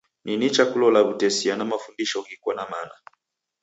Ni nicha kulola w'utesia na mafundisho ghiko na mana.